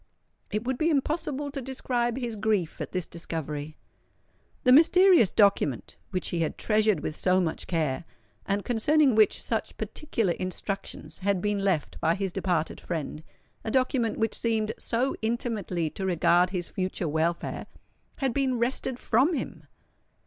It would be impossible to describe his grief at this discovery. The mysterious document, which he had treasured with so much care, and concerning which such particular instructions had been left by his departed friend,—a document which seemed so intimately to regard his future welfare,—had been wrested from him!